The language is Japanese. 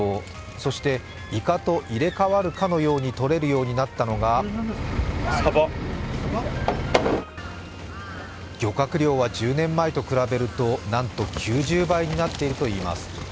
そして、いかと入れ代わるかのように漁獲量は１０年前と比べるとなんと９０倍になっているといいます。